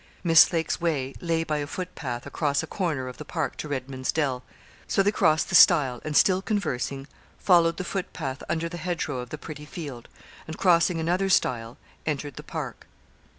Miss Lake's way lay by a footpath across a corner of the park to Redman's Dell. So they crossed the stile, and still conversing, followed the footpath under the hedgerow of the pretty field, and crossing another stile, entered the park.